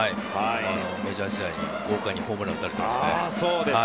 メジャー時代に豪快にホームラン打たれています。